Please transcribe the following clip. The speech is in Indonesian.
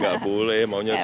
gak boleh maunya diajak